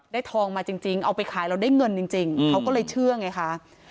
ทองมาจริงเอาไปขายเราได้เงินจริงเขาก็เลยเชื่อไงคะ